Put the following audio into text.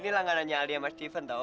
inilah anganan nyali sama steven tau